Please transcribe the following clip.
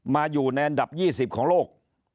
มาอยู่ในอันดับ๒๐ของโลก